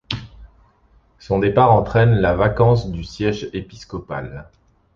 Son départ entraîne la vacance du siège épiscopal.